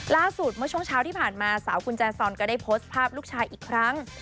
เมื่อช่วงเช้าที่ผ่านมาสาวกุญแจซอนก็ได้โพสต์ภาพลูกชายอีกครั้ง